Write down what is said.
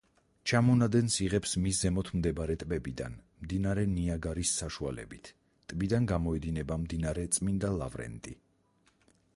ჩამონადენს იღებს მის ზემოთ მდებარე ტბებიდან მდინარე ნიაგარის საშუალებით, ტბიდან გამოედინება მდინარე წმინდა ლავრენტი.